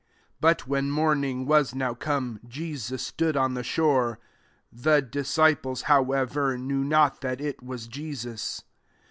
4 But when morning was now come, Jesus stood on the shore: the disciples, however, knew not that it was Jesus.